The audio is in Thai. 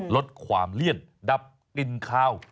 ลดความเลี่ยนดับกลิ่นคาว